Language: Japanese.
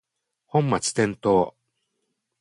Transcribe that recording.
本末転倒